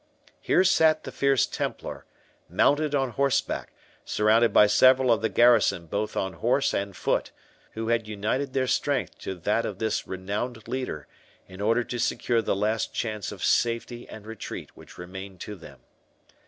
Here sat the fierce Templar, mounted on horseback, surrounded by several of the garrison both on horse and foot, who had united their strength to that of this renowned leader, in order to secure the last chance of safety and retreat which remained to them.